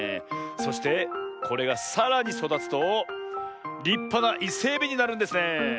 そしてこれがさらにそだつとりっぱなイセエビになるんですねえ。